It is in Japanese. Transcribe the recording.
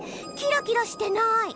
キラキラしてない！